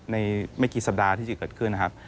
ไม่กี่สัปดาห์ที่จะเกิดขึ้นนะครับ